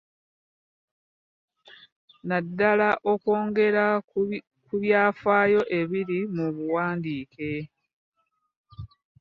Naddala okwongera ku byafaayo ebiri mu buwandiike